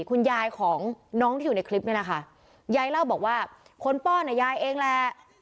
คุณยายของน้องที่อยู่ในคลิปเนี่ยนะคะยายเล่าบอกว่าคนป้อนอ่ะยายเองแหละ